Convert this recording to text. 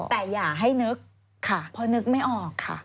แต่อย่าให้นึกพอนึกไม่ออก